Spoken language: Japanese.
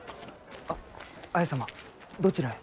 あ綾様どちらへ？